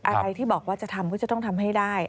อะไรที่บอกว่าจะทำก็จะต้องทำให้ได้